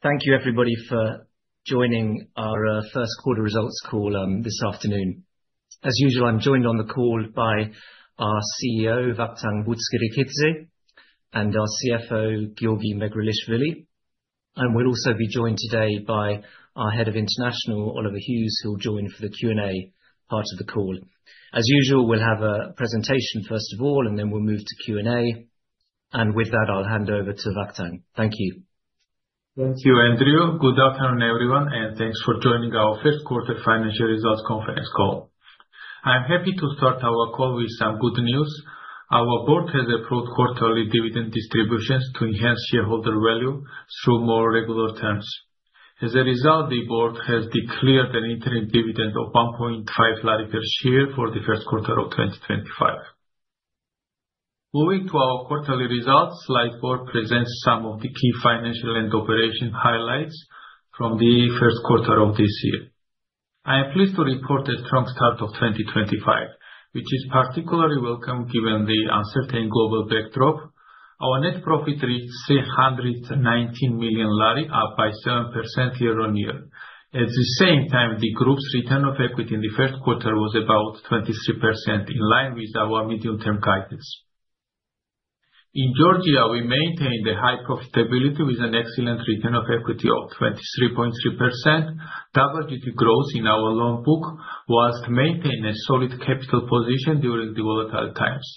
Thank you, everybody, for joining our first quarter results call this afternoon. As usual, I'm joined on the call by our CEO, Vakhtang Butskhrikidze, and our CFO, Giorgi Megrelishvili. We'll also be joined today by our Head of International, Oliver Hughes, who will join for the Q&A part of the call. As usual, we'll have a presentation, first of all, and then we'll move to Q&A. With that, I'll hand over to Vakhtang. Thank you. Thank you, Andrew. Good afternoon, everyone, and thanks for joining our first quarter financial results conference call. I'm happy to start our call with some good news. Our board has approved quarterly dividend distributions to enhance shareholder value through more regular terms. As a result, the board has declared an interim dividend of GEL 1.5 per share for the first quarter of 2025. Moving to our quarterly results, slides board presents some of the key financial and operation highlights from the first quarter of this year. I am pleased to report a strong start of 2025, which is particularly welcome given the uncertain global backdrop. Our net profit reached GEL 319 million, up by 7% year on year. At the same time, the group's return on equity in the first quarter was about 23%, in line with our medium-term guidance. In Georgia, we maintained a high profitability with an excellent return on equity of 23.3%. Double-digit growth in our loan book was to maintain a solid capital position during the volatile times.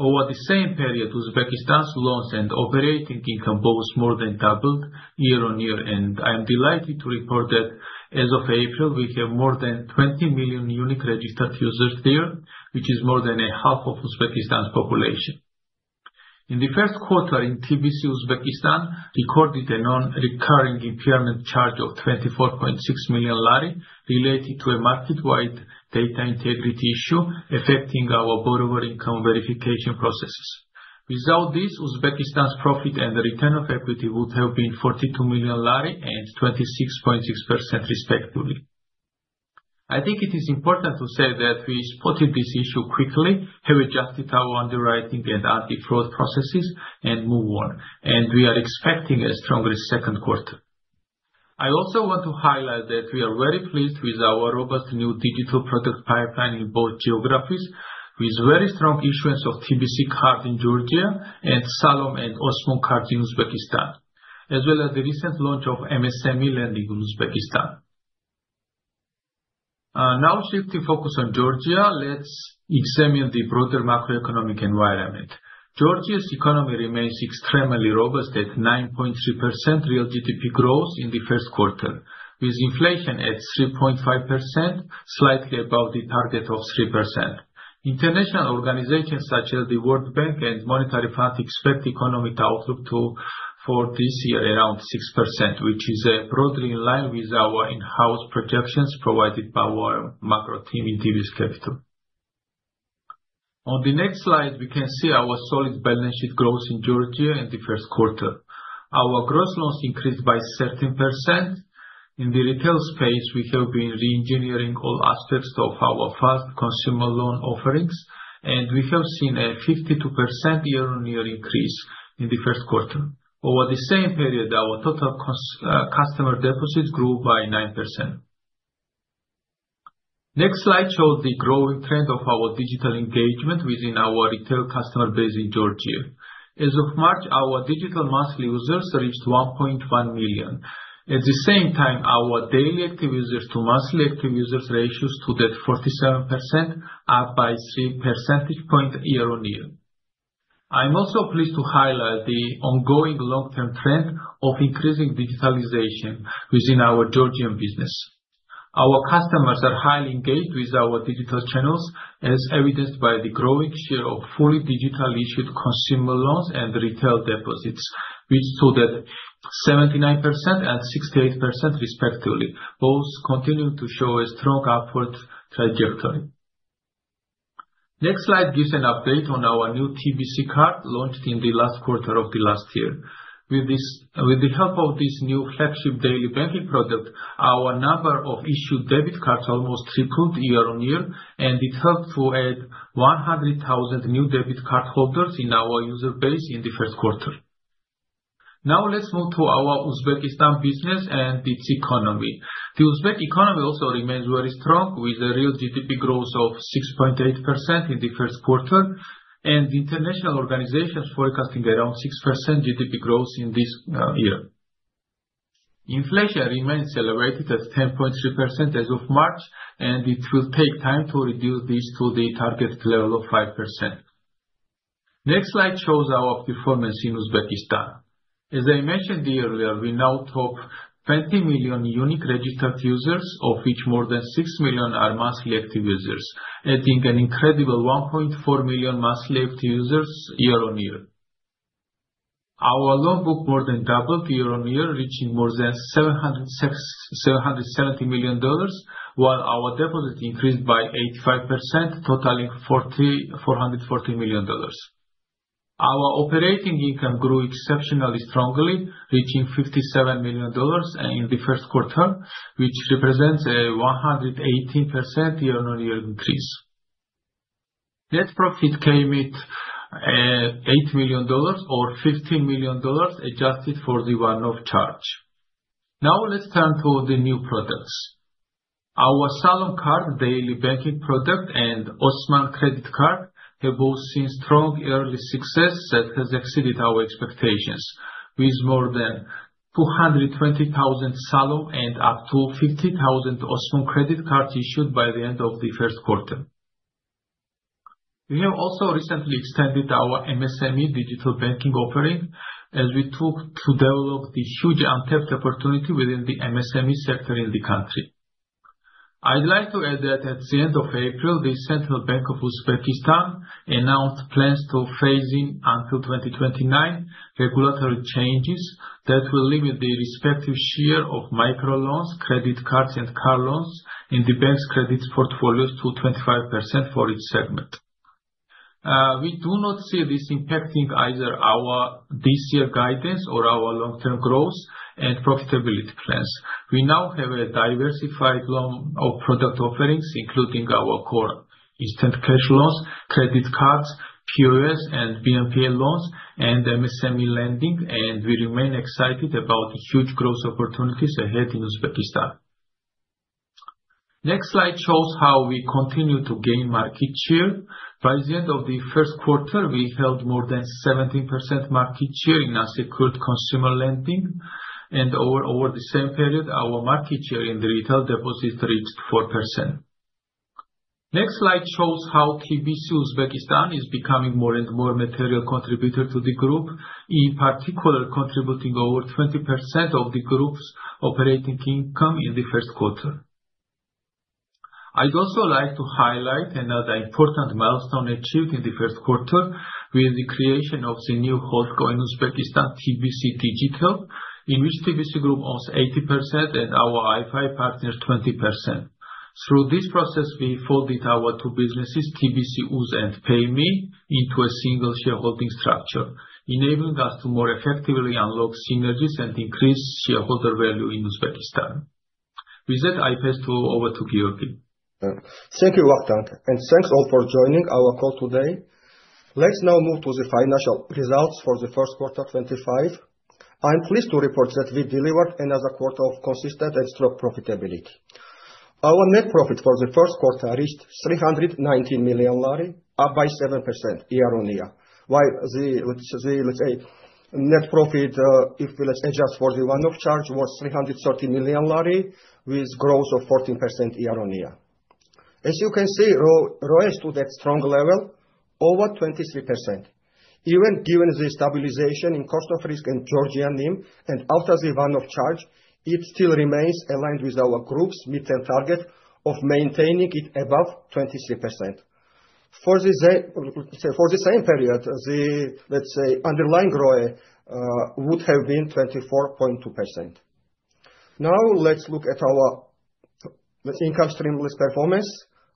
Over the same period, Uzbekistan's loans and operating income both more than doubled year on year, and I'm delighted to report that as of April, we have more than 20 million unique registered users there, which is more than half of Uzbekistan's population. In the first quarter, TBC Uzbekistan recorded a non-recurring impairment charge of GEL 24.6 million, related to a market-wide data integrity issue affecting our borrower income verification processes. Without this, Uzbekistan's profit and return on equity would have been GEL 42 million and 26.6%, respectively. I think it is important to say that we spotted this issue quickly, have adjusted our underwriting and anti-fraud processes, and move on, and we are expecting a stronger second quarter. I also want to highlight that we are very pleased with our robust new digital product pipeline in both geographies, with very strong issuance of TBC cards in Georgia and Salom and Osmon cards in Uzbekistan, as well as the recent launch of MSME lending in Uzbekistan. Now, shifting focus on Georgia, let's examine the broader macroeconomic environment. Georgia's economy remains extremely robust at 9.3% real GDP growth in the first quarter, with inflation at 3.5%, slightly above the target of 3%. International organizations such as the World Bank and Monetary Fund expect economic outlook for this year around 6%, which is broadly in line with our in-house projections provided by our macro team in TBC Capital. On the next slide, we can see our solid balance sheet growth in Georgia in the first quarter. Our gross loans increased by 13%. In the retail space, we have been re-engineering all aspects of our fast consumer loan offerings, and we have seen a 52% year-on-year increase in the first quarter. Over the same period, our total customer deposits grew by 9%. Next slide shows the growing trend of our digital engagement within our retail customer base in Georgia. As of March, our digital monthly users reached 1.1 million. At the same time, our daily active users to monthly active users ratios to that 47%, up by 3 percentage points year-on-year. I'm also pleased to highlight the ongoing long-term trend of increasing digitalization within our Georgian business. Our customers are highly engaged with our digital channels, as evidenced by the growing share of fully digitally issued consumer loans and retail deposits, which stood at 79% and 68%, respectively, both continuing to show a strong upward trajectory. Next slide gives an update on our new TBC card launched in the last quarter of the last year. With the help of this new flagship daily banking product, our number of issued debit cards almost tripled year-on-year, and it helped to add 100,000 new debit card holders in our user base in the first quarter. Now, let's move to our Uzbekistan business and its economy. The Uzbek economy also remains very strong, with a real GDP growth of 6.8% in the first quarter, and international organizations forecasting around 6% GDP growth in this year. Inflation remains elevated at 10.3% as of March, and it will take time to reduce this to the target level of 5%. Next slide shows our performance in Uzbekistan. As I mentioned earlier, we now have 20 million unique registered users, of which more than 6 million are monthly active users, adding an incredible 1.4 million monthly active users year-on-year. Our loan book more than doubled year-on-year, reaching more than $770 million, while our deposit increased by 85%, totaling $440 million. Our operating income grew exceptionally strongly, reaching $57 million in the first quarter, which represents a 118% year-on-year increase. Net profit came in at $8 million, or $15 million adjusted for the one-off charge. Now, let's turn to the new products. Our Salom card daily banking product and Osmon credit card have both seen strong early success that has exceeded our expectations, with more than 220,000 Salom and up to 50,000 Osmon credit cards issued by the end of the first quarter. We have also recently extended our MSME digital banking offering as we took to develop the huge untapped opportunity within the MSME sector in the country. I'd like to add that at the end of April, the Central Bank of Uzbekistan announced plans to phase in until 2029 regulatory changes that will limit the respective share of microloans, credit cards, and car loans in the bank's credit portfolios to 25% for each segment. We do not see this impacting either our this-year guidance or our long-term growth and profitability plans. We now have a diversified loan product offering, including our core instant cash loans, credit cards, QOL and BNPL loans, and MSME lending, and we remain excited about the huge growth opportunities ahead in Uzbekistan. The next slide shows how we continue to gain market share. By the end of the first quarter, we held more than 17% market share in unsecured consumer lending, and over the same period, our market share in the retail deposits reached 4%. The next slide shows how TBC Uzbekistan is becoming a more and more material contributor to the group, in particular contributing over 20% of the group's operating income in the first quarter. I'd also like to highlight another important milestone achieved in the first quarter with the creation of the new holdco in Uzbekistan, TBC Digitel, in which TBC Group owns 80% and our IFI partners 20%. Through this process, we folded our two businesses, TBC UZ and PayMe, into a single shareholding structure, enabling us to more effectively unlock synergies and increase shareholder value in Uzbekistan. With that, I pass the floor over to Giorgi. Thank you, Vakhtang, and thanks all for joining our call today. Let's now move to the financial results for the first quarter 2025. I'm pleased to report that we delivered another quarter of consistent extra profitability. Our net profit for the first quarter reached GEL 319 million, up by 7% year-on-year, while the, let's say, net profit, if we adjust for the one-off charge, was GEL 330 million, with growth of 14% year-on-year. As you can see, it rose to that strong level over 23%. Even given the stabilization in cost of risk and Georgian NIM, and after the one-off charge, it still remains aligned with our group's mid-term target of maintaining it above 23%. For the same period, the, let's say, underlying ROE would have been 24.2%. Now, let's look at our income streamless performance.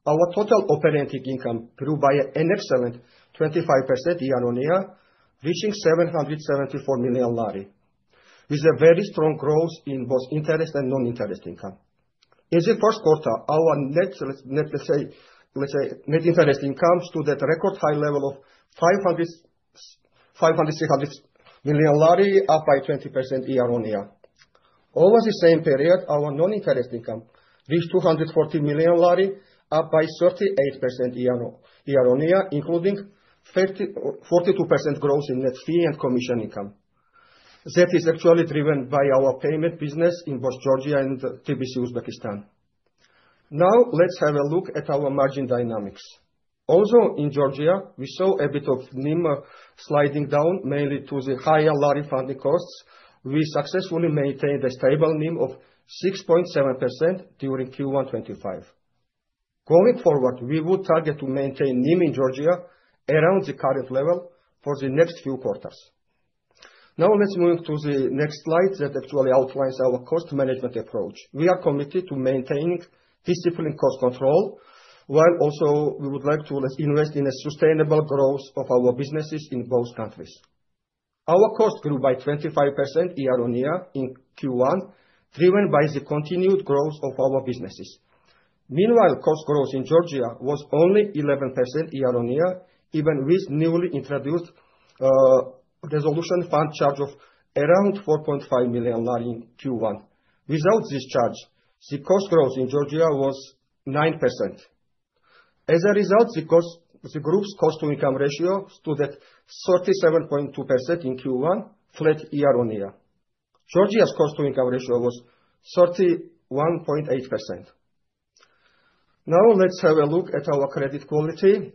Our total operating income grew by an excellent 25% year-on-year, reaching GEL 774 million, with a very strong growth in both interest and non-interest income. In the first quarter, our net, let's say, net interest income stood at a record high level of GEL 500-600 million, up by 20% year-on-year. Over the same period, our non-interest income reached GEL 240 million, up by 38% year-on-year, including 42% growth in net fee and commission income. That is actually driven by our payment business in both Georgia and TBC Uzbekistan. Now, let's have a look at our margin dynamics. Also, in Georgia, we saw a bit of NIM sliding down, mainly due to the higher GEL funding costs. We successfully maintained a stable NIM of 6.7% during Q1 2025. Going forward, we would target to maintain NIM in Georgia around the current level for the next few quarters. Now, let's move to the next slide that actually outlines our cost management approach. We are committed to maintaining disciplined cost control, while also we would like to invest in a sustainable growth of our businesses in both countries. Our cost grew by 25% year-on-year in Q1, driven by the continued growth of our businesses. Meanwhile, cost growth in Georgia was only 11% year-on-year, even with newly introduced resolution fund charge of around GEL 4.5 million in Q1. Without this charge, the cost growth in Georgia was 9%. As a result, the group's cost-to-income ratio stood at 37.2% in Q1, flat year-on-year. Georgia's cost-to-income ratio was 31.8%. Now, let's have a look at our credit quality.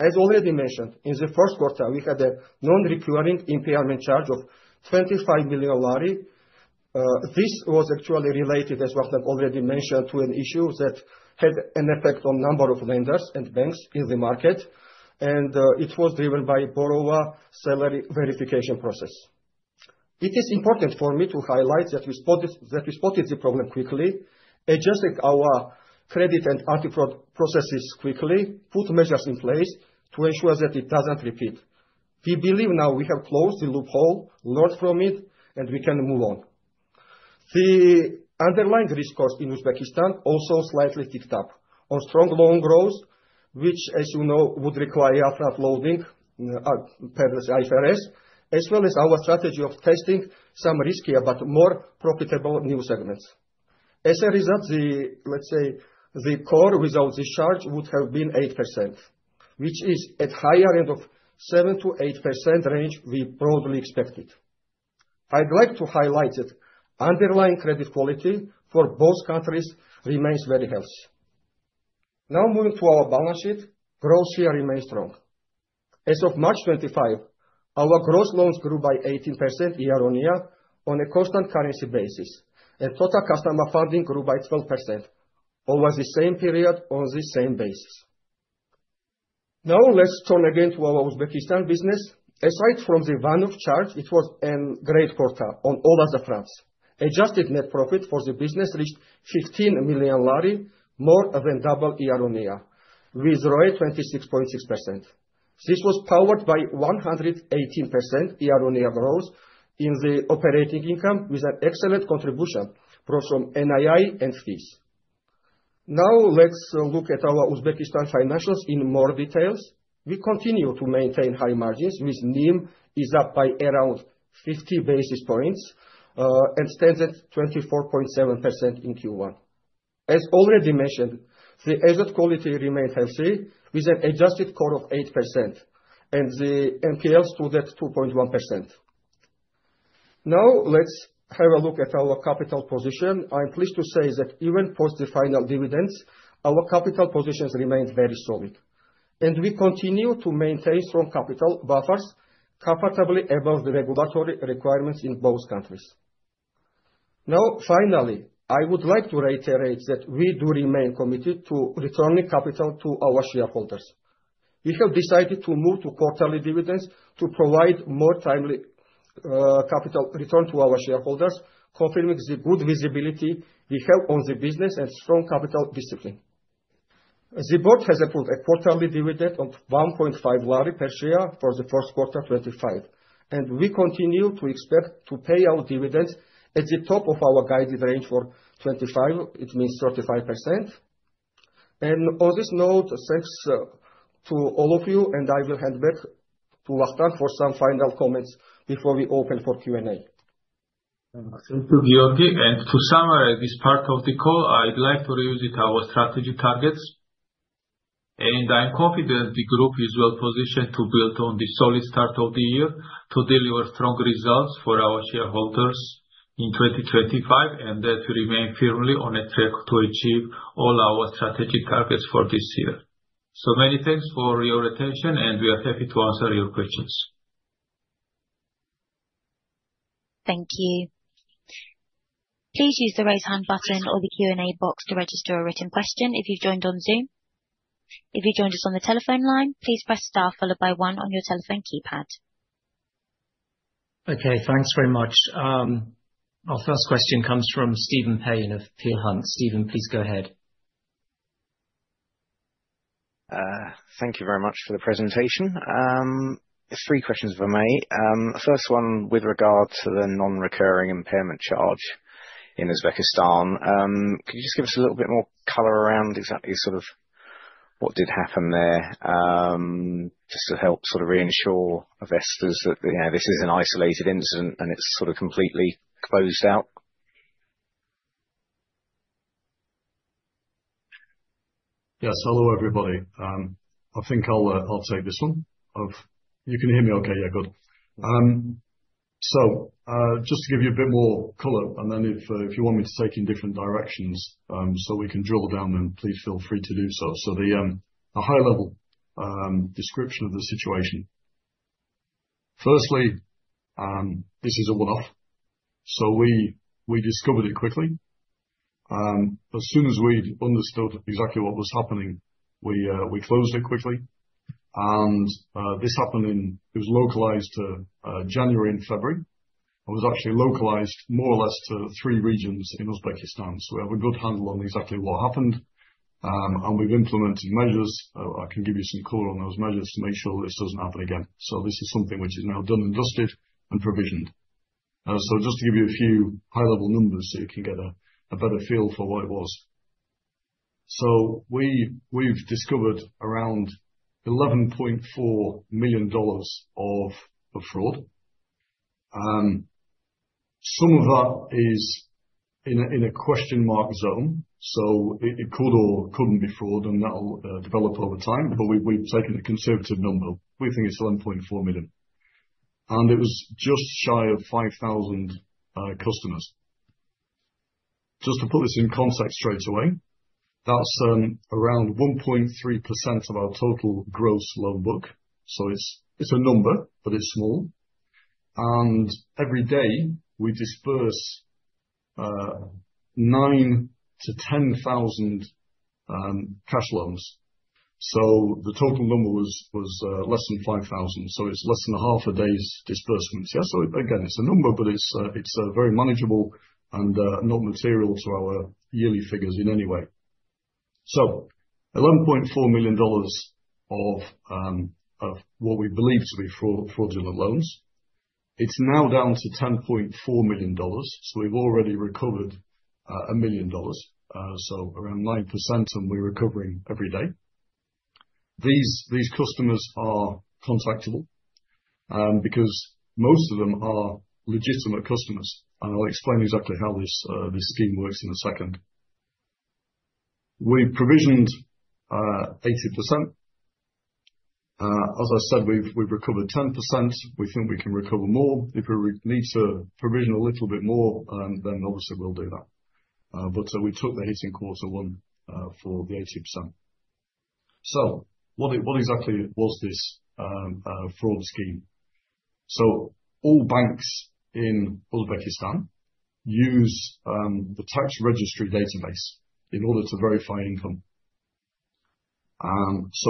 As already mentioned, in the first quarter, we had a non-recurring impairment charge of GEL 25 million. This was actually related, as Vakhtang already mentioned, to an issue that had an effect on the number of lenders and banks in the market, and it was driven by the borrower salary verification process. It is important for me to highlight that we spotted the problem quickly, adjusted our credit and anti-fraud processes quickly, put measures in place to ensure that it doesn't repeat. We believe now we have closed the loophole, learned from it, and we can move on. The underlying risk cost in Uzbekistan also slightly ticked up on strong loan growth, which, as you know, would require upfront loading, IFRS, as well as our strategy of testing some riskier but more profitable new segments. As a result, the, let's say, the core without this charge would have been 8%, which is at the higher end of 7%-8% range we broadly expected. I'd like to highlight that underlying credit quality for both countries remains very healthy. Now, moving to our balance sheet, growth year remains strong. As of March 25, our gross loans grew by 18% year-on-year on a constant currency basis, and total customer funding grew by 12% over the same period on the same basis. Now, let's turn again to our Uzbekistan business. Aside from the one-off charge, it was a great quarter on all other fronts. Adjusted net profit for the business reached GEL 15 million, more than double year-on-year, with ROE 26.6%. This was powered by 118% year-on-year growth in the operating income, with an excellent contribution from NII and fees. Now, let's look at our Uzbekistan financials in more detail. We continue to maintain high margins, with NIM up by around 50 basis points and stands at 24.7% in Q1. As already mentioned, the asset quality remained healthy, with an adjusted core of 8%, and the NPL stood at 2.1%. Now, let's have a look at our capital position. I'm pleased to say that even post the final dividends, our capital positions remained very solid, and we continue to maintain strong capital buffers comfortably above the regulatory requirements in both countries. Now, finally, I would like to reiterate that we do remain committed to returning capital to our shareholders. We have decided to move to quarterly dividends to provide more timely capital return to our shareholders, confirming the good visibility we have on the business and strong capital discipline. The board has approved a quarterly dividend of GEL 1.5 per share for the first quarter 2025, and we continue to expect to pay out dividends at the top of our guided range for 2025, it means 35%. Thank you to all of you, and I will hand back to Vakhtang for some final comments before we open for Q&A. Thank you, Giorgi. To summarize this part of the call, I'd like to revisit our strategy targets, and I'm confident the group is well positioned to build on the solid start of the year to deliver strong results for our shareholders in 2025, and that we remain firmly on a track to achieve all our strategic targets for this year. Many thanks for your attention, and we are happy to answer your questions. Thank you. Please use the raise hand button or the Q&A box to register a written question if you have joined on Zoom. If you joined us on the telephone line, please press star followed by one on your telephone keypad. Okay, thanks very much. Our first question comes from Stephen Payne of Peel Hunt. Stephen, please go ahead. Thank you very much for the presentation. Three questions if I may. First one with regard to the non-recurring impairment charge in Uzbekistan. Could you just give us a little bit more color around exactly sort of what did happen there, just to help sort of reassure investors that this is an isolated incident and it's sort of completely closed out? Yes, hello everybody. I think I'll take this one. You can hear me okay? Yeah, good. Just to give you a bit more color, and then if you want me to take you in different directions so we can drill down then, please feel free to do so. The high-level description of the situation. Firstly, this is a one-off, so we discovered it quickly. As soon as we understood exactly what was happening, we closed it quickly. This happened in, it was localized to January and February. It was actually localized more or less to three regions in Uzbekistan. We have a good handle on exactly what happened, and we've implemented measures. I can give you some color on those measures to make sure this does not happen again. This is something which is now done and dusted and provisioned. Just to give you a few high-level numbers so you can get a better feel for what it was. We've discovered around $11.4 million of fraud. Some of that is in a question mark zone. It could or could not be fraud, and that will develop over time, but we've taken a conservative number. We think it is $11.4 million. It was just shy of 5,000 customers. To put this in context straight away, that is around 1.3% of our total gross loan book. It is a number, but it is small. Every day, we disburse 9,000-10,000 cash loans. The total number was less than 5,000, so it is less than half a day's disbursement. It is a number, but it is very manageable and not material to our yearly figures in any way. $11.4 million of what we believe to be fraudulent loans, it's now down to $10.4 million. We've already recovered $1 million, so around 9%, and we're recovering every day. These customers are contactable because most of them are legitimate customers, and I'll explain exactly how this scheme works in a second. We provisioned 80%. As I said, we've recovered 10%. We think we can recover more. If we need to provision a little bit more, then obviously we'll do that. We took the hit in quarter one for the 80%. What exactly was this fraud scheme? All banks in Uzbekistan use the tax registry database in order to verify income.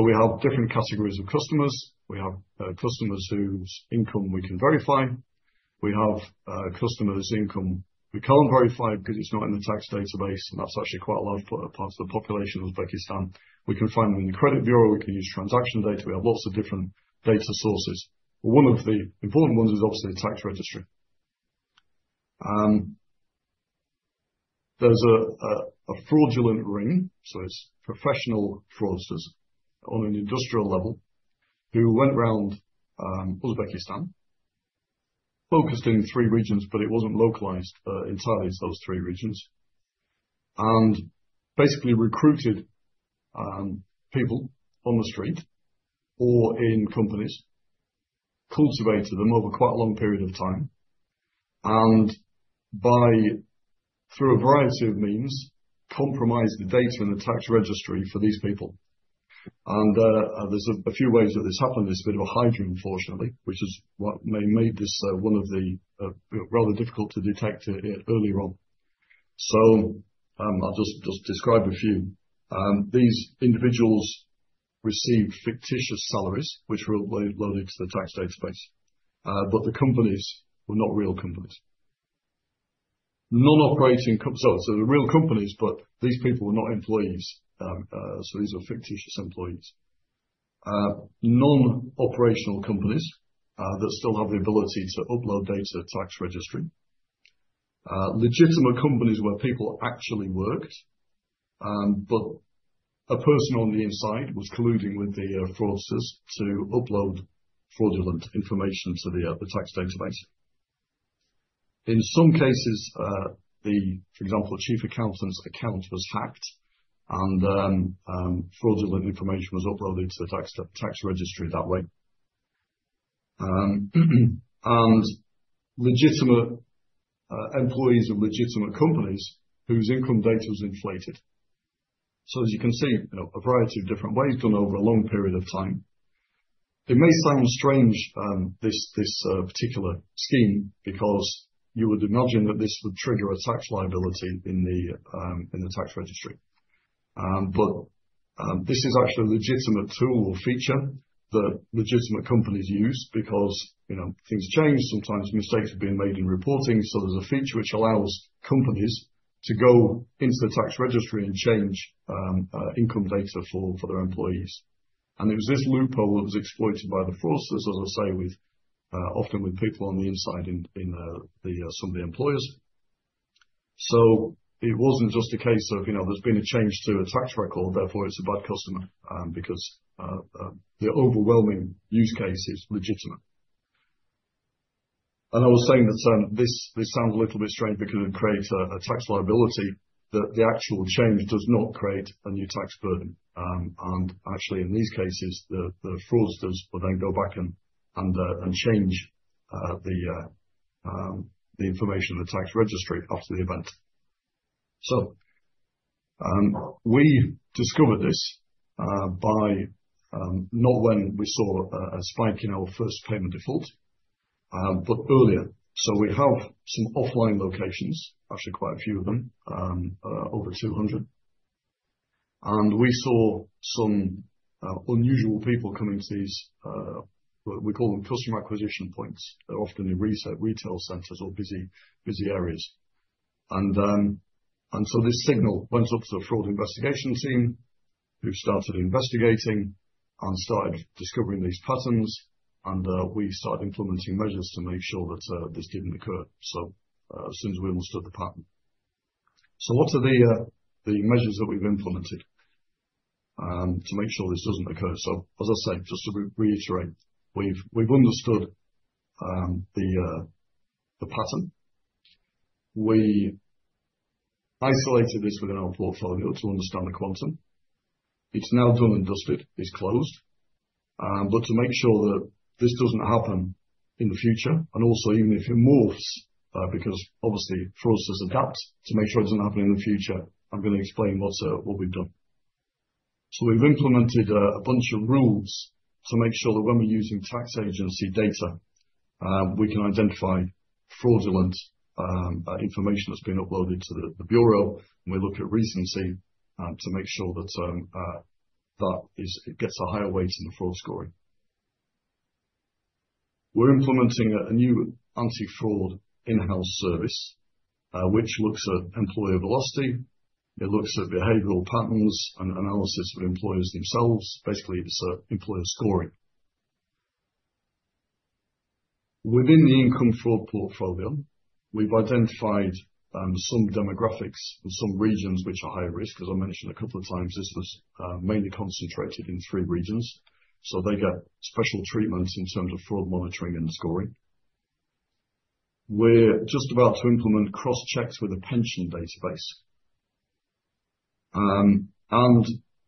We have different categories of customers. We have customers whose income we can verify. We have customers' income we can't verify because it's not in the tax database, and that's actually quite a large part of the population of Uzbekistan. We can find them in the credit bureau. We can use transaction data. We have lots of different data sources. One of the important ones is obviously the tax registry. There's a fraudulent ring, so it's professional fraudsters on an industrial level who went around Uzbekistan, focused in three regions, but it wasn't localized entirely to those three regions, and basically recruited people on the street or in companies, cultivated them over quite a long period of time, and by, through a variety of means, compromised the data in the tax registry for these people. There's a few ways that this happened. It's a bit of a hygiene, unfortunately, which is what made this one of the rather difficult to detect earlier on. I'll just describe a few. These individuals received fictitious salaries, which were loaded to the tax database, but the companies were not real companies. Non-operating, so they're real companies, but these people were not employees, so these are fictitious employees. Non-operational companies that still have the ability to upload data to the tax registry. Legitimate companies where people actually worked, but a person on the inside was colluding with the fraudsters to upload fraudulent information to the tax database. In some cases, for example, a chief accountant's account was hacked, and fraudulent information was uploaded to the tax registry that way. Legitimate employees of legitimate companies whose income data was inflated. As you can see, a variety of different ways done over a long period of time. It may sound strange, this particular scheme, because you would imagine that this would trigger a tax liability in the tax registry. This is actually a legitimate tool or feature that legitimate companies use because things change. Sometimes mistakes are being made in reporting, so there is a feature which allows companies to go into the tax registry and change income data for their employees. It was this loophole that was exploited by the fraudsters, as I say, often with people on the inside in some of the employers. It was not just a case of there has been a change to a tax record, therefore it is a bad customer because the overwhelming use case is legitimate. I was saying that this sounds a little bit strange because it creates a tax liability, that the actual change does not create a new tax burden. In these cases, the fraudsters will then go back and change the information in the tax registry after the event. We discovered this not when we saw a spike in our first payment default, but earlier. We have some offline locations, actually quite a few of them, over 200. We saw some unusual people coming to these, we call them customer acquisition points. They are often in retail centers or busy areas. This signal went up to the fraud investigation team who started investigating and started discovering these patterns, and we started implementing measures to make sure that this did not occur. As soon as we understood the pattern. What are the measures that we have implemented to make sure this does not occur? As I say, just to reiterate, we have understood the pattern. We isolated this within our portfolio to understand the quantum. It's now done and dusted. It's closed. To make sure that this doesn't happen in the future, and also even if it morphs, because obviously fraudsters adapt to make sure it doesn't happen in the future, I'm going to explain what we've done. We've implemented a bunch of rules to make sure that when we're using tax agency data, we can identify fraudulent information that's been uploaded to the bureau, and we look at reasoning to make sure that that gets a higher weight in the fraud scoring. We're implementing a new anti-fraud in-house service, which looks at employer velocity. It looks at behavioral patterns and analysis of employers themselves. Basically, it's employer scoring. Within the income fraud portfolio, we've identified some demographics and some regions which are higher risk. As I mentioned a couple of times, this was mainly concentrated in three regions. They get special treatment in terms of fraud monitoring and scoring. We're just about to implement cross-checks with a pension database.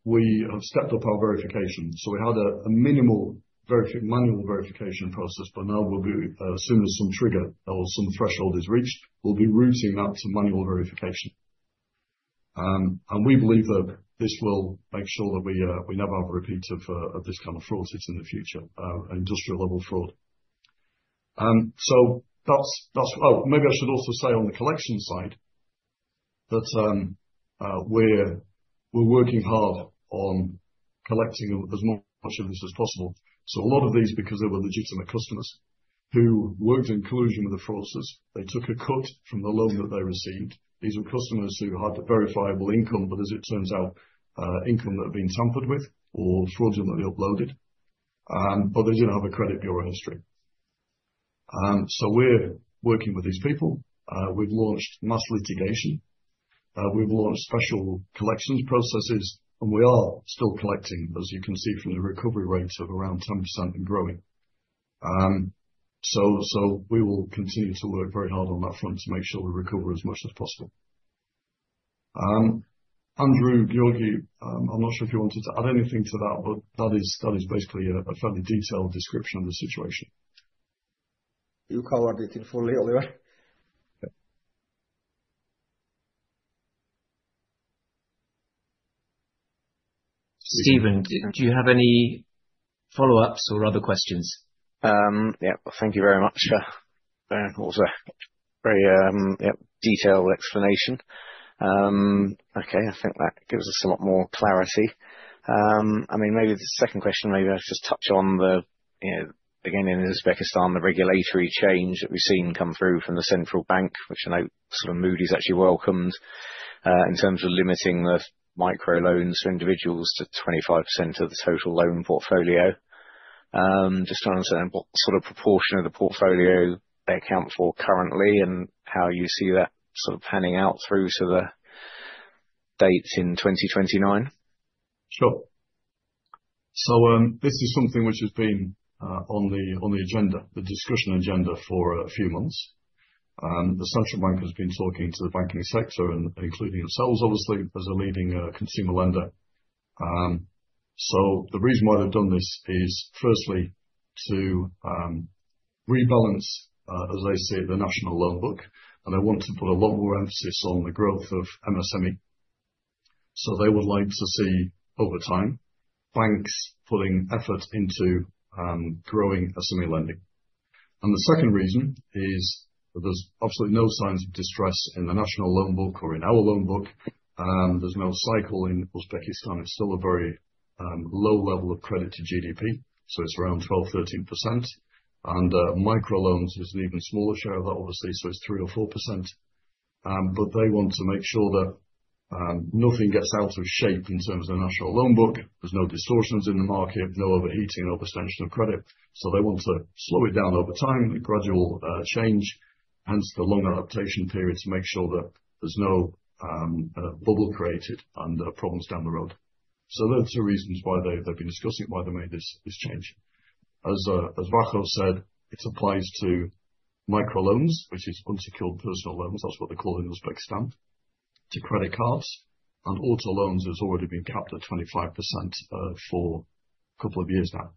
We have stepped up our verification. We had a minimal manual verification process, but now as soon as some trigger or some threshold is reached, we'll be routing that to manual verification. We believe that this will make sure that we never have a repeat of this kind of fraud in the future, industrial-level fraud. Maybe I should also say on the collection side that we're working hard on collecting as much of this as possible. A lot of these, because they were legitimate customers who worked in collusion with the fraudsters, took a cut from the loan that they received. These were customers who had verifiable income, but as it turns out, income that had been tampered with or fraudulently uploaded, but they did not have a credit bureau history. We are working with these people. We have launched mass litigation. We have launched special collections processes, and we are still collecting, as you can see from the recovery rates of around 10% and growing. We will continue to work very hard on that front to make sure we recover as much as possible. Andrew, Giorgi, I am not sure if you wanted to add anything to that, but that is basically a fairly detailed description of the situation. You covered it fully, Oliver. Stephen, do you have any follow-ups or other questions? Yeah, thank you very much for a very detailed explanation. Okay, I think that gives us a lot more clarity. I mean, maybe the second question, maybe I should just touch on the, again, in Uzbekistan, the regulatory change that we've seen come through from the Central Bank, which I know sort of Moody's actually welcomed in terms of limiting the micro loans for individuals to 25% of the total loan portfolio. Just trying to understand what sort of proportion of the portfolio they account for currently and how you see that sort of panning out through to the dates in 2029. Sure. This is something which has been on the agenda, the discussion agenda for a few months. The central bank has been talking to the banking sector, including themselves, obviously, as a leading consumer lender. The reason why they've done this is, firstly, to rebalance, as I say, the national loan book, and they want to put a lot more emphasis on the growth of MSME. They would like to see, over time, banks putting effort into growing SME lending. The second reason is there's absolutely no signs of distress in the national loan book or in our loan book. There's no cycle in Uzbekistan. It's still a very low level of credit to GDP, so it's around 12%-13%. Micro loans is an even smaller share of that, obviously, so it's 3%-4%. They want to make sure that nothing gets out of shape in terms of the national loan book. There are no distortions in the market, no overheating and overstension of credit. They want to slow it down over time and gradual change, hence the long adaptation period to make sure that there is no bubble created and problems down the road. Those are two reasons why they have been discussing why they made this change. As Vakhtang said, it applies to micro loans, which is unsecured personal loans. That is what they call it in Uzbekistan, to credit cards. Auto loans have already been capped at 25% for a couple of years now.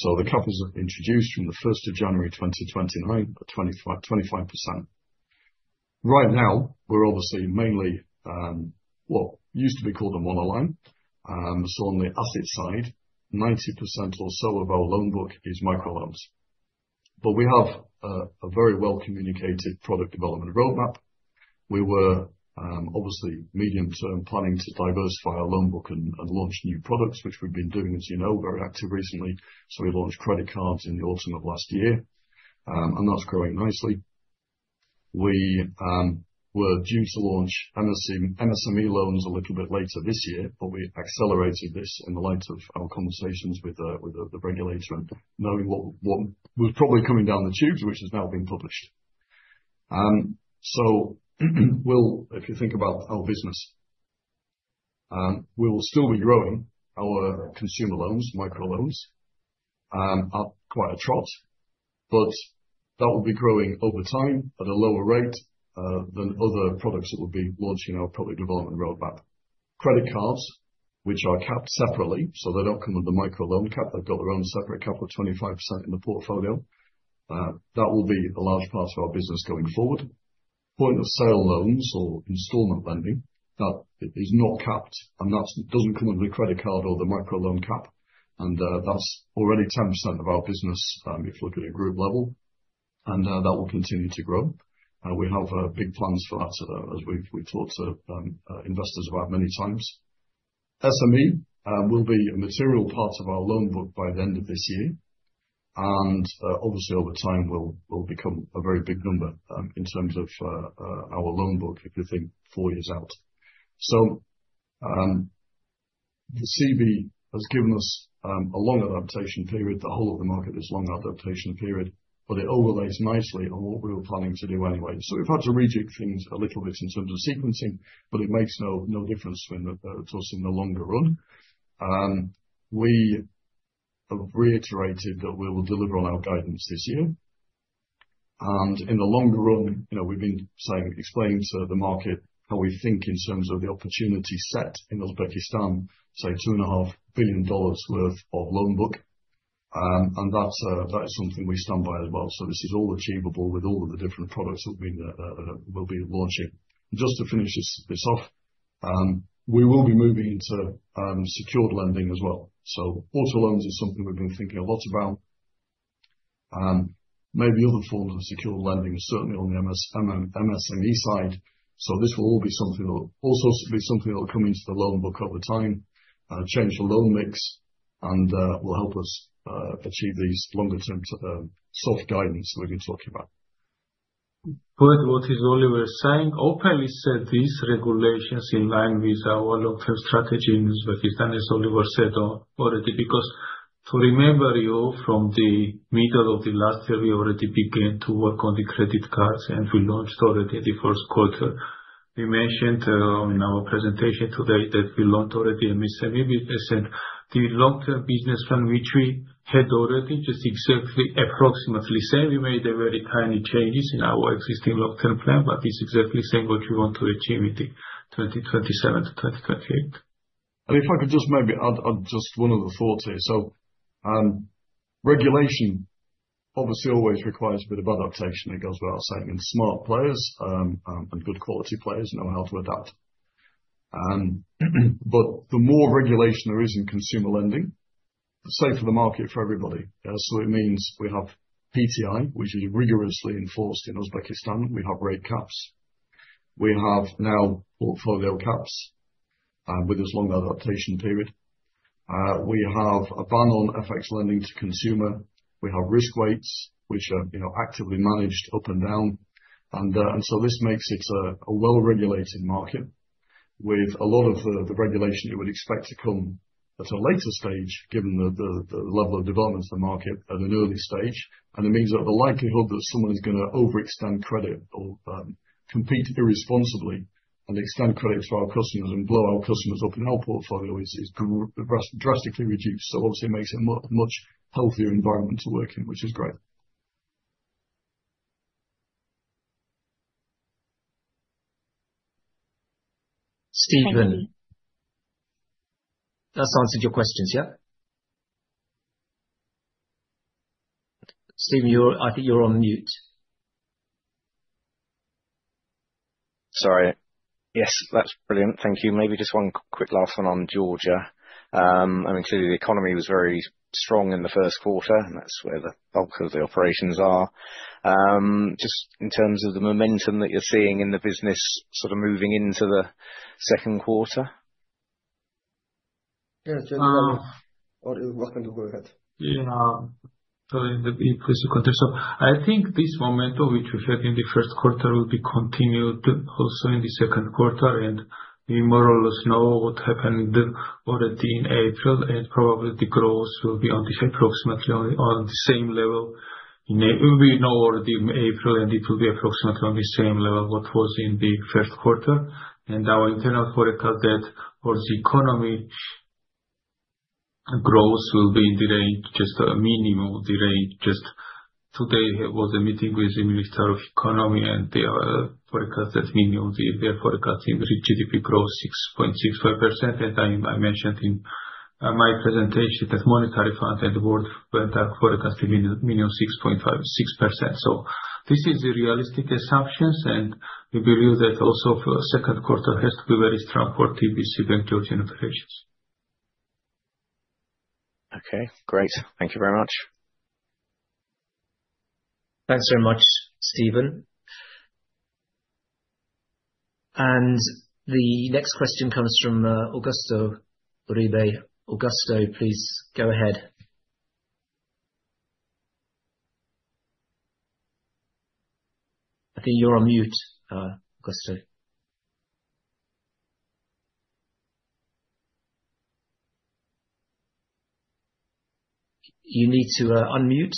The cap is introduced from 1st January, 2029 at 25%. Right now, we are obviously mainly, well, used to be called the monoline. On the asset side, 90% or so of our loan book is micro loans. We have a very well-communicated product development roadmap. We were obviously medium-term planning to diversify our loan book and launch new products, which we have been doing, as you know, very actively recently. We launched credit cards in the autumn of last year, and that is growing nicely. We were due to launch MSME loans a little bit later this year, but we accelerated this in the light of our conversations with the regulator and knowing what was probably coming down the tubes, which has now been published. If you think about our business, we will still be growing our consumer loans, micro loans, up quite a trot, but that will be growing over time at a lower rate than other products that will be launching in our product development roadmap. Credit cards, which are capped separately, so they don't come with the micro loan cap. They've got their own separate cap of 25% in the portfolio. That will be a large part of our business going forward. Point-of-sale loans or installment lending, that is not capped, and that doesn't come with the credit card or the micro loan cap. That is already 10% of our business if you look at a group level, and that will continue to grow. We have big plans for that, as we've talked to investors about many times. SME will be a material part of our loan book by the end of this year. Obviously, over time, we'll become a very big number in terms of our loan book if you think four years out. The CB has given us a long adaptation period. The whole of the market is a long adaptation period, but it overlays nicely on what we were planning to do anyway. We have had to rejig things a little bit in terms of sequencing, but it makes no difference towards the longer run. We have reiterated that we will deliver on our guidance this year. In the longer run, we have been explaining to the market how we think in terms of the opportunity set in Uzbekistan, say, $2.5 billion worth of loan book. That is something we stand by as well. This is all achievable with all of the different products that we will be launching. Just to finish this off, we will be moving into secured lending as well. Auto loans is something we have been thinking a lot about. Maybe other forms of secured lending are certainly on the MSME side. This will all be something that will come into the loan book over time, change the loan mix, and will help us achieve these longer-term soft guidance we've been talking about. Good. What is Oliver saying? Hopefully, these regulations are in line with our long-term strategy in Uzbekistan, as Oliver said already, because to remember you from the middle of the last year, we already began to work on the credit cards, and we launched already the first quarter. We mentioned in our presentation today that we launched already MSME. We said the long-term business plan, which we had already just exactly approximately the same. We made very tiny changes in our existing long-term plan, but it's exactly the same what we want to achieve in 2027 to 2028. If I could just maybe add just one of the thoughts here. Regulation obviously always requires a bit of adaptation, I guess, without saying. Smart players and good quality players know how to adapt. The more regulation there is in consumer lending, the safer the market for everybody. It means we have PTI, which is rigorously enforced in Uzbekistan. We have rate caps. We have now portfolio caps with this long adaptation period. We have a ban on FX lending to consumer. We have risk weights, which are actively managed up and down. This makes it a well-regulated market with a lot of the regulation you would expect to come at a later stage, given the level of development of the market at an early stage. It means that the likelihood that someone is going to overextend credit or compete irresponsibly and extend credit to our customers and blow our customers up in our portfolio is drastically reduced. Obviously, it makes it a much healthier environment to work in, which is great. Stephen, that's answered your questions, yeah? Stephen, I think you're on mute. Sorry. Yes, that's brilliant. Thank you. Maybe just one quick last one on Georgia. I mean, clearly, the economy was very strong in the first quarter, and that's where the bulk of the operations are. Just in terms of the momentum that you're seeing in the business sort of moving into the second quarter? Yeah, just one question. What can you go ahead? Yeah. Sorry, the previous quarter. I think this momentum, which we had in the first quarter, will be continued also in the second quarter. We more or less know what happened already in April. Probably the growth will be on approximately the same level. We know already in April, and it will be approximately on the same level as what was in the first quarter. Our internal forecast for the economy is that growth will be in the range, just a minimum of the range. Just today, I was meeting with the Minister of Economy, and they forecast that the minimum of the forecast in GDP growth is 6.65%. I mentioned in my presentation that the Monetary Fund and the World Bank are forecasting a minimum 6.56%. This is the realistic assumption. We believe that also for the second quarter has to be very strong for TBC Bank Georgian operations. Okay, great. Thank you very much. Thanks very much, Stephen. The next question comes from Augusto Uribe. Augusto, please go ahead. I think you're on mute, Augusto. You need to unmute.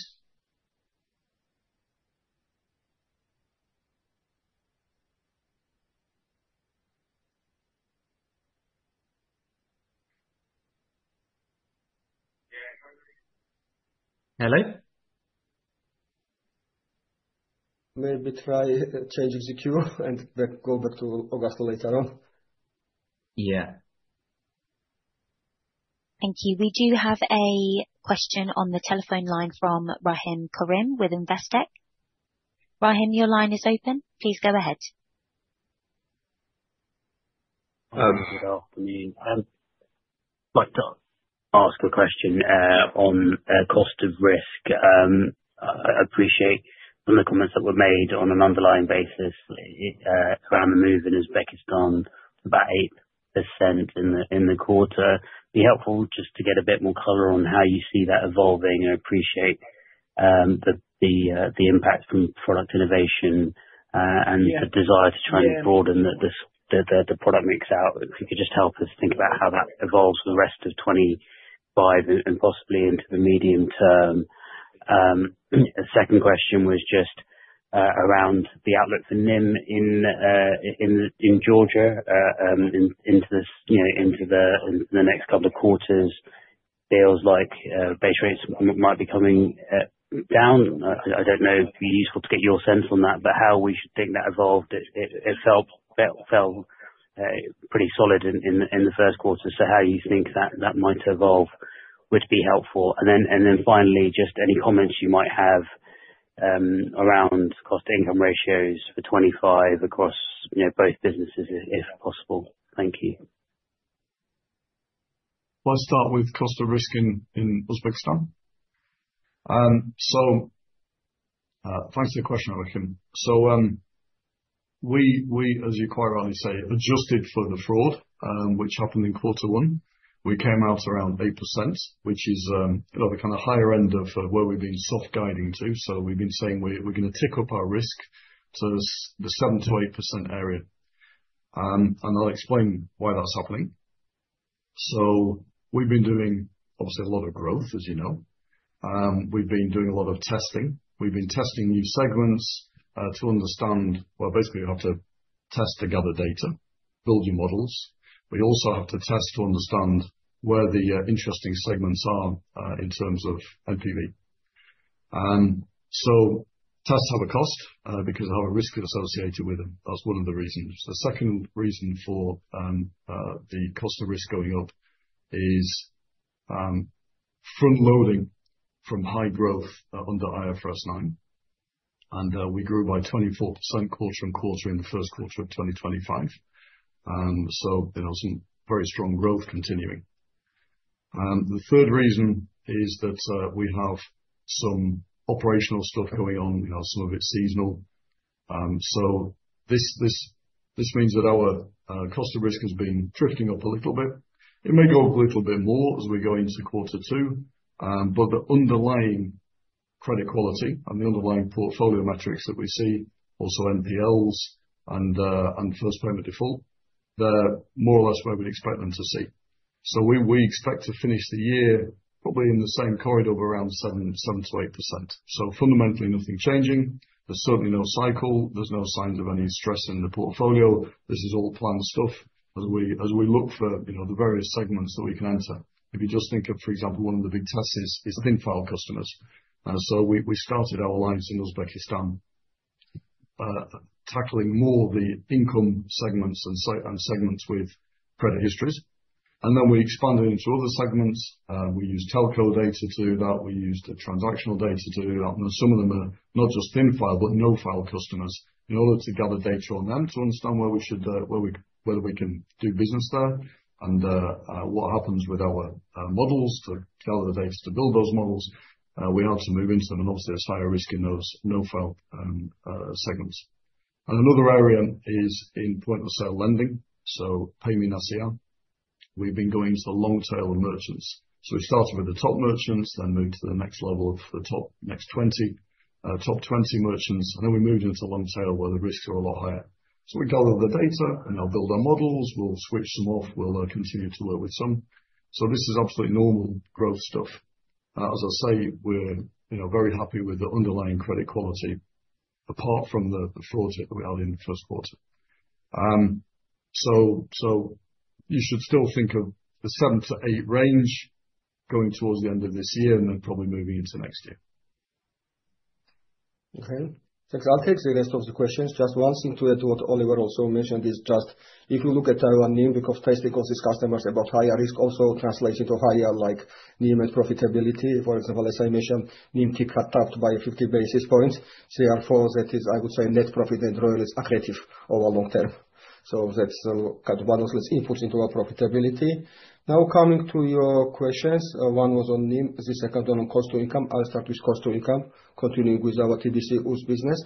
Hello? Maybe try changing secure and go back to Augusto later on. Yeah. Thank you. We do have a question on the telephone line from Rahim Karim with Investec. Rahim, your line is open. Please go ahead. I mean, I'm quite done. Ask a question on cost of risk. I appreciate some of the comments that were made on an underlying basis around the move in Uzbekistan, about 8% in the quarter. It'd be helpful just to get a bit more color on how you see that evolving. I appreciate the impact from product innovation and the desire to try and broaden the product mix out. If you could just help us think about how that evolves for the rest of 2025 and possibly into the medium term. The second question was just around the outlook for NIM in Georgia into the next couple of quarters. It feels like base rates might be coming down. I don't know if it'd be useful to get your sense on that, but how we should think that evolved. It felt pretty solid in the first quarter. How you think that might evolve would be helpful. Finally, just any comments you might have around cost income ratios for 2025 across both businesses, if possible. Thank you. I'll start with cost of risk in Uzbekistan. Thanks for the question, Rahim. We, as you quite rightly say, adjusted for the fraud, which happened in quarter one. We came out around 8%, which is the kind of higher end of where we've been soft guiding to. We've been saying we're going to tick up our risk to the 7-8% area. I'll explain why that's happening. We've been doing, obviously, a lot of growth, as you know. We've been doing a lot of testing. We've been testing new segments to understand, well, basically, you have to test to gather data, build your models. We also have to test to understand where the interesting segments are in terms of MPV. Tests have a cost because they have a risk associated with them. That's one of the reasons. The second reason for the cost of risk going up is front-loading from high growth under IFRS 9. We grew by 24% quarter on quarter in the first quarter of 2025. Some very strong growth continuing. The third reason is that we have some operational stuff going on. Some of it is seasonal. This means that our cost of risk has been drifting up a little bit. It may go up a little bit more as we go into quarter two. The underlying credit quality and the underlying portfolio metrics that we see, also NPLs and first payment default, they are more or less where we would expect them to see. We expect to finish the year probably in the same corridor of around 7-8%. Fundamentally, nothing changing. There is certainly no cycle. There are no signs of any stress in the portfolio. This is all planned stuff as we look for the various segments that we can enter. If you just think of, for example, one of the big tests is thin file customers. We started our lines in Uzbekistan, tackling more of the income segments and segments with credit histories. Then we expanded into other segments. We used telco data to do that. We used transactional data to do that. Some of them are not just thin file, but no file customers in order to gather data on them to understand where we can do business there and what happens with our models to gather the data to build those models. We have to move into them. Obviously, it is higher risk in those no file segments. Another area is in point-of-sale lending. PayMe Nasir. We have been going to long-tail merchants. We started with the top merchants, then moved to the next level of the top 20 merchants. Then we moved into long-tail where the risks are a lot higher. We gather the data and build our models. We will switch them off. We will continue to work with some. This is absolutely normal growth stuff. As I say, we are very happy with the underlying credit quality, apart from the fraud hit that we had in the first quarter. You should still think of the 7-8% range going towards the end of this year and then probably moving into next year. Okay. Thanks. I'll take the rest of the questions. Just one thing to add to what Oliver also mentioned is just if you look at our NIM because testing all these customers about higher risk also translates into higher NIM and profitability. For example, as I mentioned, NIM ticked up by 50 basis points. CR4, that is, I would say, net profit and royalty is accretive over long term. So that's got one of those inputs into our profitability. Now, coming to your questions, one was on NIM, the second one on cost to income. I'll start with cost to income, continuing with our TBC Uzbekistan business.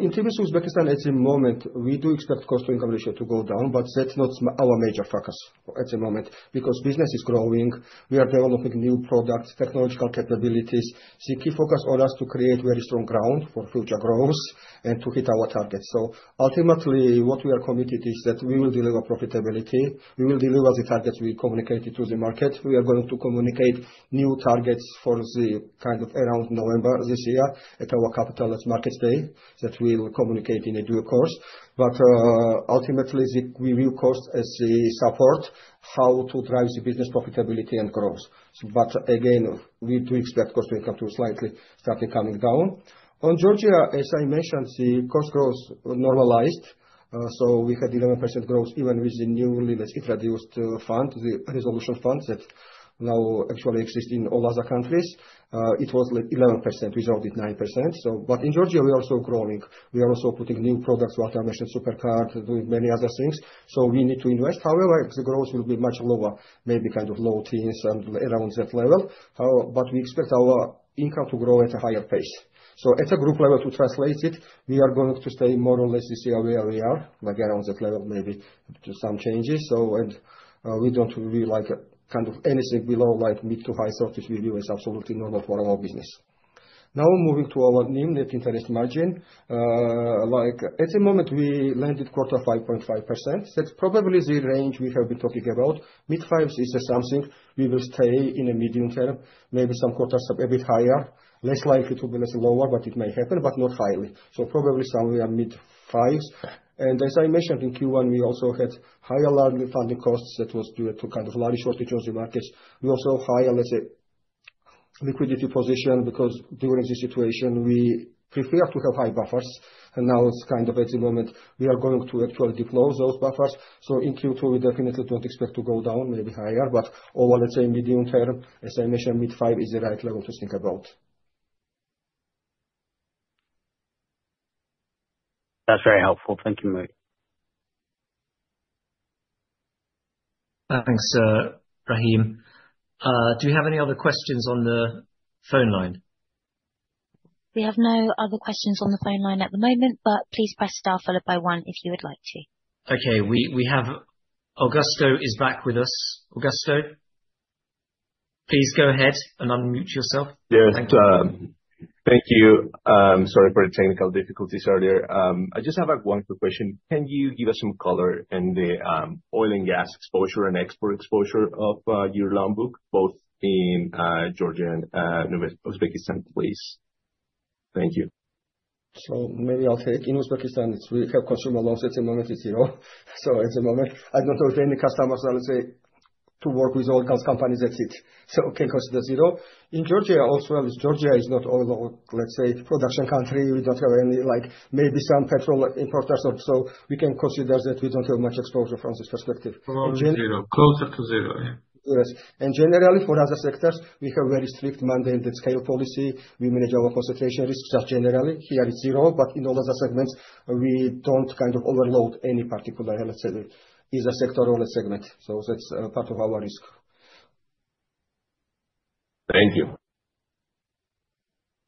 In TBC Uzbekistan at the moment, we do expect cost to income ratio to go down, but that's not our major focus at the moment because business is growing. We are developing new products, technological capabilities. The key focus on us is to create very strong ground for future growth and to hit our targets. Ultimately, what we are committed to is that we will deliver profitability. We will deliver the targets we communicated to the market. We are going to communicate new targets for the kind of around November this year at our capital markets day that we will communicate in due course. Ultimately, the review cost is the support, how to drive the business profitability and growth. Again, we do expect cost to income to slightly start coming down. On Georgia, as I mentioned, the cost growth normalized. We had 11% growth even with the newly introduced fund, the resolution fund that now actually exists in all other countries. It was 11%, we dropped it to 9%. In Georgia, we are also growing. We are also putting new products, what I mentioned, supercard, doing many other things. We need to invest. However, the growth will be much lower, maybe kind of low teens and around that level. We expect our income to grow at a higher pace. At a group level to translate it, we are going to stay more or less this year where we are, like around that level, maybe to some changes. We do not really like kind of anything below like mid to high 30%. We view as absolutely normal for our business. Now, moving to our NIM, net interest margin. At the moment, we landed quarter 5.5%. That is probably the range we have been talking about. Mid 5s is something we will stay in a medium term, maybe some quarters a bit higher, less likely to be lower, but it may happen, but not highly. Probably somewhere mid 5s. As I mentioned, in Q1, we also had higher large funding costs that was due to kind of large shortages on the markets. We also have higher, let's say, liquidity position because during this situation, we prefer to have high buffers. Now it's kind of at the moment we are going to actually deploy those buffers. In Q2, we definitely do not expect to go down, maybe higher, but over, let's say, medium term, as I mentioned, mid 5 is the right level to think about. That's very helpful. Thank you, Meg. Thanks, Rahim. Do we have any other questions on the phone line? We have no other questions on the phone line at the moment, but please press star followed by one if you would like to. Okay. Augusto is back with us. Augusto, please go ahead and unmute yourself. Yes. Thank you. Sorry for the technical difficulties earlier. I just have one quick question. Can you give us some color in the oil and gas exposure and export exposure of your loan book, both in Georgia and Uzbekistan, please? Thank you. Maybe I'll take it. In Uzbekistan, we have consumer loans at the moment. It's zero. At the moment, I don't know if any customers are to work with oil companies, that's it. We can consider zero. In Georgia, also Georgia is not oil, let's say, production country. We don't have any, maybe some petrol importers. We can consider that we don't have much exposure from this perspective. Closer to zero. Closer to zero, yeah. Yes. Generally, for other sectors, we have very strict mandated scale policy. We manage our concentration risk just generally. Here it is zero, but in all other segments, we do not kind of overload any particular, let's say, either sector or a segment. That is part of our risk. Thank you.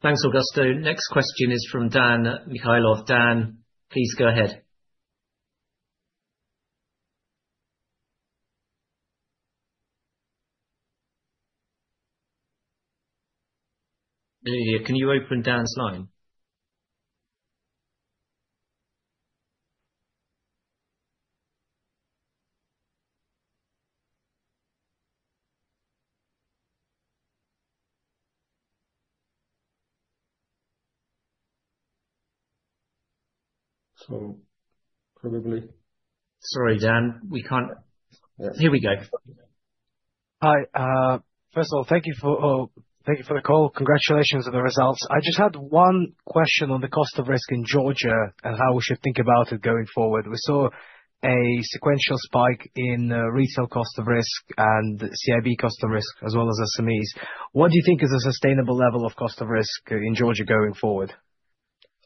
Thanks, Augusto. Next question is from Dan Mikhailov. Dan, please go ahead. Can you open Dan's line? So probably. Sorry, Dan. Here we go. Hi. First of all, thank you for the call. Congratulations on the results. I just had one question on the cost of risk in Georgia and how we should think about it going forward. We saw a sequential spike in retail cost of risk and CIB cost of risk, as well as SMEs. What do you think is a sustainable level of cost of risk in Georgia going forward?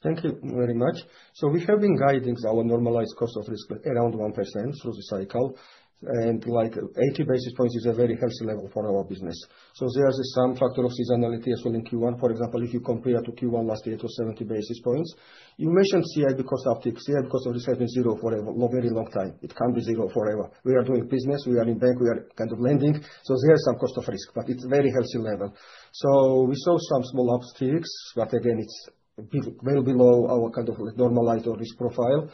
Thank you very much. We have been guiding our normalized cost of risk around 1% through the cycle. 80 basis points is a very healthy level for our business. There is some factor of seasonality as well in Q1. For example, if you compare to Q1 last year, it was 70 basis points. You mentioned CIB cost uptick. CIB cost of risk has been zero for a very long time. It cannot be zero forever. We are doing business. We are in bank. We are kind of lending. There is some cost of risk, but it is a very healthy level. We saw some small upticks, but again, it is well below our kind of normalized risk profile.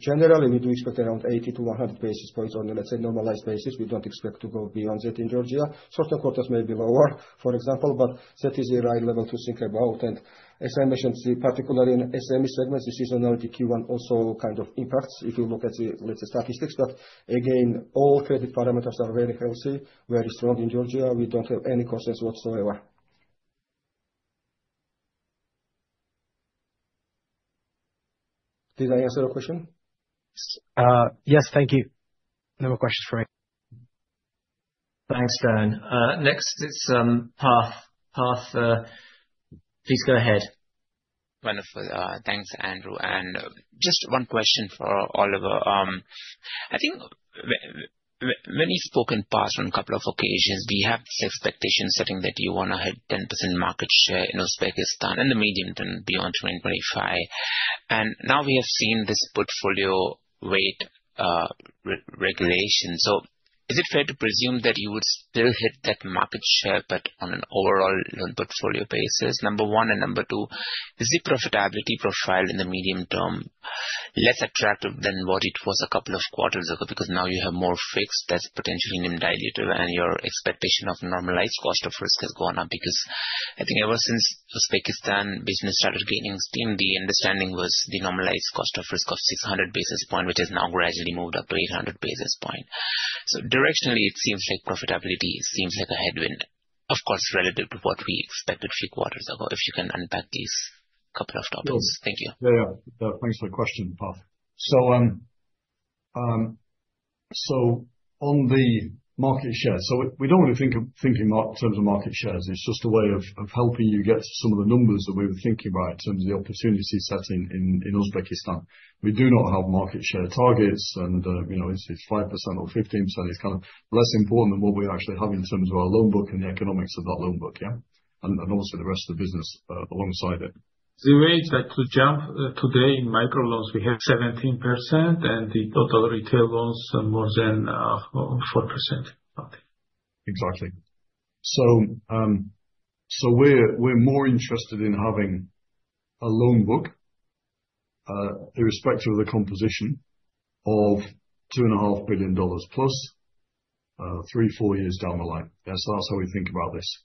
Generally, we do expect around 80-100 basis points on, let's say, normalized basis. We do not expect to go beyond that in Georgia. Certain quarters may be lower, for example, but that is a right level to think about. As I mentioned, particularly in SME segments, the seasonality Q1 also kind of impacts if you look at the, let's say, statistics. Again, all credit parameters are very healthy, very strong in Georgia. We don't have any concerns whatsoever. Did I answer your question? Yes. Thank you. No more questions from me. Thanks, Dan. Next, it's Path. Path, please go ahead. Wonderful. Thanks, Andrew. Just one question for Oliver. I think many have spoken past on a couple of occasions. We have this expectation setting that you want to hit 10% market share in Uzbekistan in the medium term beyond 2025. Now we have seen this portfolio weight regulation. Is it fair to presume that you would still hit that market share, but on an overall loan portfolio basis? Number one, and number two, is the profitability profile in the medium term less attractive than what it was a couple of quarters ago? Because now you have more fixed that is potentially NIM diluted, and your expectation of normalized cost of risk has gone up because I think ever since Uzbekistan business started gaining steam, the understanding was the normalized cost of risk of 600 basis points, which has now gradually moved up to 800 basis points. Directionally, it seems like profitability seems like a headwind, of course, relative to what we expected a few quarters ago. If you can unpack these couple of topics. Thank you. There you are. Thanks for the question, Path. On the market share, we do not want to think in terms of market shares. It is just a way of helping you get to some of the numbers that we were thinking about in terms of the opportunity setting in Uzbekistan. We do not have market share targets, and it is 5% or 15%. It is kind of less important than what we actually have in terms of our loan book and the economics of that loan book, yeah? Obviously, the rest of the business alongside it. The rate that we jump today in microloans, we have 17%, and the total retail loans are more than 4%. Exactly. We are more interested in having a loan book irrespective of the composition of $2.5 billion plus three-four years down the line. That is how we think about this.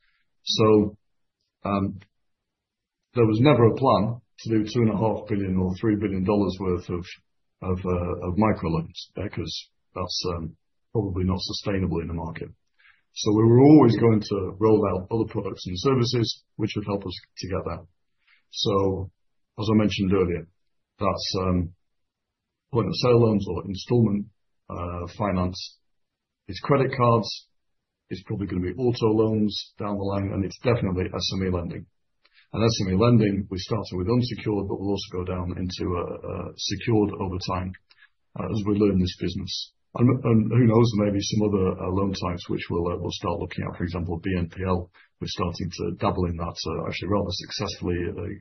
There was never a plan to do $2.5 billion or $3 billion worth of microloans because that's probably not sustainable in the market. We were always going to roll out other products and services which would help us to get that. As I mentioned earlier, that's point-of-sale loans or installment finance. It's credit cards. It's probably going to be auto loans down the line, and it's definitely SME lending. SME lending, we started with unsecured, but we'll also go down into secured over time as we learn this business. Who knows, maybe some other loan types which we'll start looking at. For example, BNPL, we're starting to dabble in that actually rather successfully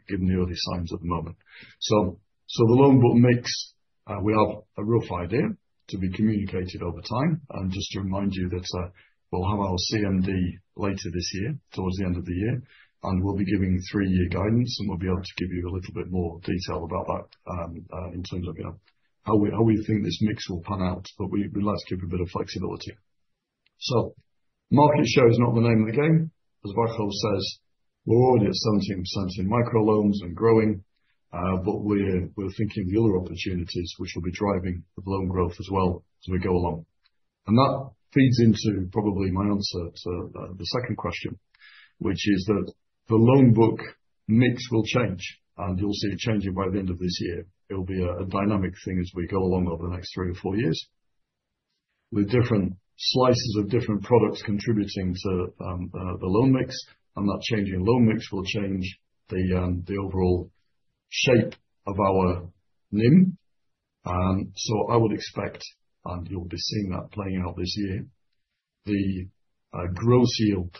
given the early signs at the moment. The loan book mix, we have a rough idea to be communicated over time. Just to remind you that we'll have our CMD later this year towards the end of the year, and we'll be giving three-year guidance, and we'll be able to give you a little bit more detail about that in terms of how we think this mix will pan out. We'd like to give you a bit of flexibility. Market share is not the name of the game. As Rachel says, we're already at 17% in microloans and growing, but we're thinking of the other opportunities which will be driving the loan growth as well as we go along. That feeds into probably my answer to the second question, which is that the loan book mix will change, and you'll see it changing by the end of this year. It'll be a dynamic thing as we go along over the next three or four years with different slices of different products contributing to the loan mix. That changing loan mix will change the overall shape of our NIM. I would expect, and you'll be seeing that playing out this year, the gross yield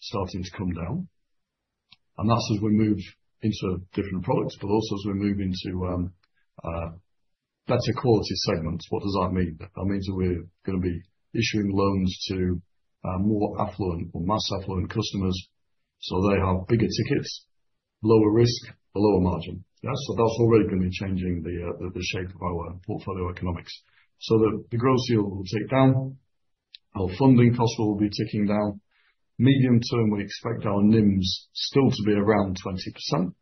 starting to come down. That's as we move into different products, but also as we move into better quality segments. What does that mean? That means that we're going to be issuing loans to more affluent or mass affluent customers so they have bigger tickets, lower risk, lower margin. That's already going to be changing the shape of our portfolio economics. The gross yield will tick down. Our funding costs will be ticking down. Medium term, we expect our NIMs still to be around 20%.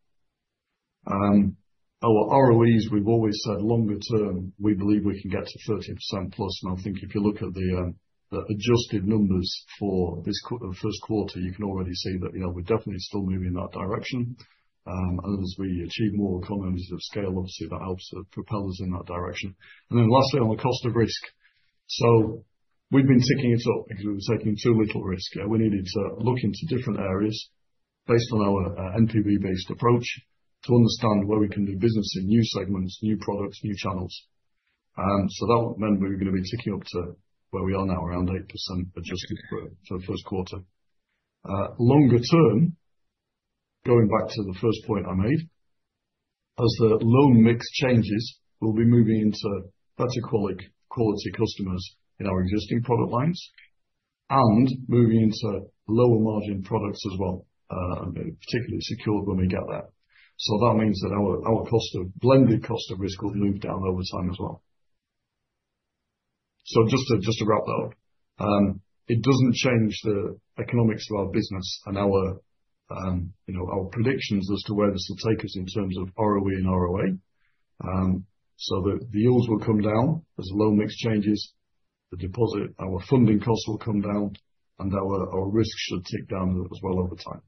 Our ROEs, we've always said longer term, we believe we can get to 30% plus. I think if you look at the adjusted numbers for this first quarter, you can already see that we're definitely still moving in that direction. As we achieve more economies of scale, obviously, that helps propel us in that direction. Lastly, on the cost of risk, we've been ticking it up because we were taking too little risk. We needed to look into different areas based on our NPV-based approach to understand where we can do business in new segments, new products, new channels. That meant we were going to be ticking up to where we are now, around 8% adjusted for the first quarter. Longer term, going back to the first point I made, as the loan mix changes, we'll be moving into better quality customers in our existing product lines and moving into lower margin products as well, particularly secured when we get there. That means that our blended cost of risk will move down over time as well. Just to wrap that up, it doesn't change the economics of our business and our predictions as to where this will take us in terms of ROE and ROA. The yields will come down as the loan mix changes, the deposit, our funding costs will come down, and our risk should tick down as well over time.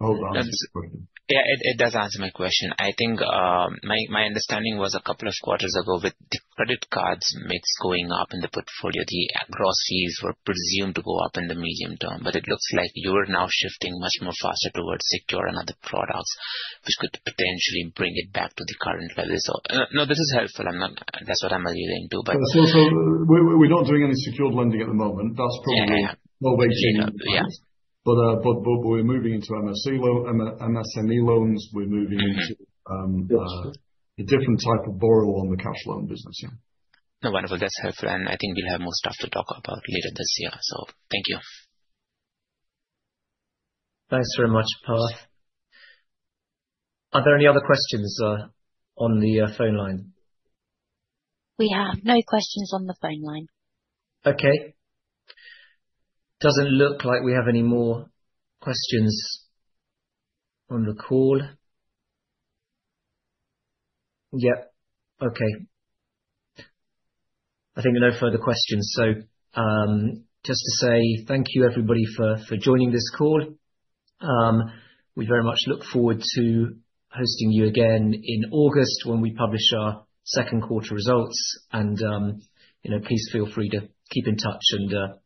Yeah, it does answer my question. I think my understanding was a couple of quarters ago with the credit cards mix going up in the portfolio, the gross fees were presumed to go up in the medium term, but it looks like you are now shifting much more faster towards secure and other products, which could potentially bring it back to the current levels. No, this is helpful. That's what I'm alluding to. We're not doing any secured lending at the moment. That's probably we're waiting. We're moving into MSME loans. We're moving into a different type of borrow on the cash loan business. No, wonderful. That is helpful. I think we will have more stuff to talk about later this year. Thank you. Thanks very much, Path. Are there any other questions on the phone line? We have no questions on the phone line. Okay. Doesn't look like we have any more questions on the call. Yep. Okay. I think no further questions. Just to say thank you, everybody, for joining this call. We very much look forward to hosting you again in August when we publish our second quarter results. Please feel free to keep in touch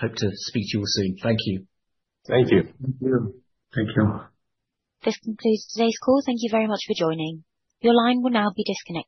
and hope to speak to you all soon. Thank you. Thank you. Thank you. This concludes today's call. Thank you very much for joining. Your line will now be disconnected.